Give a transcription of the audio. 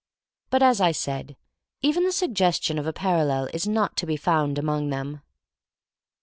But, as I said, even the suggestion of a parallel is not to be found among them.